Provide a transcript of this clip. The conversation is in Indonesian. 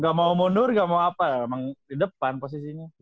gak mau mundur gak mau apa ya emang di depan posisinya